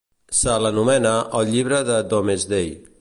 Se l'anomena al "llibre de Domesday".